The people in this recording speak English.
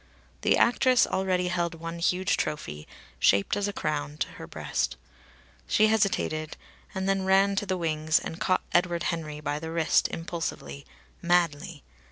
The actress already held one huge trophy, shaped as a crown, to her breast. She hesitated, and then ran to the wings, and caught Edward Henry by the wrist impulsively, madly.